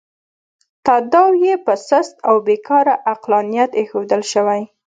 تاداو یې په سست او بې کاره عقلانیت اېښودل شوی.